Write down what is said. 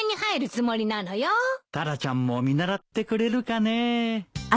タラちゃんも見習ってくれるかねえ。